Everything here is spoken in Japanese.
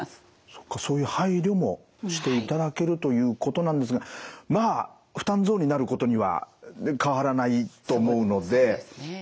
そっかそういう配慮もしていただけるということなんですがまあ負担増になることには変わらないと思うので。